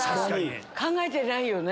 考えてないよね。